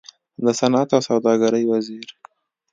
د صنعت او سوداګرۍ وزير